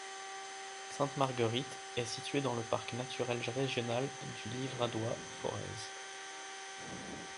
Sainte-Marguerite est située dans le parc naturel régional du Livradois-Forez.